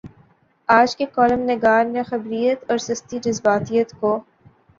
آج کے کالم نگار نے خبریت اورسستی جذباتیت کو